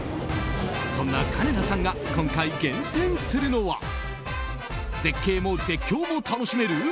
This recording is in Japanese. そんな、かねださんが今回厳選するのは絶景も絶叫も楽しめる？